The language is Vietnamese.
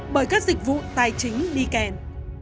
bởi các dịch vụ tài chính đi kèn